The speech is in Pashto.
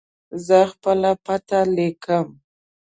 زه خپله پته لیکم.